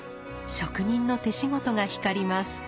職人の手仕事が光ります。